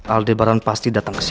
aldebaran pasti datang ke sini